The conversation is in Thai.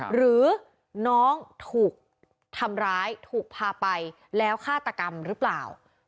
หรือน้องถูกทำร้ายถูกพาไปแล้วฆาตกรรมหรือเปล่า